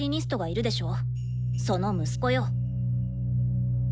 その息子よ。